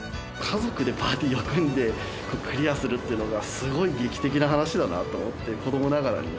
家族でパーティを組んでクリアするっていうのがすごい劇的な話だなと思って子どもながらに。